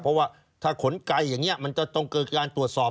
เพราะว่าถ้าขนไกลอย่างนี้มันจะต้องเกิดการตรวจสอบ